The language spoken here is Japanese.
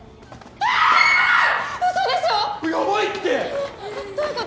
えっどういうこと！？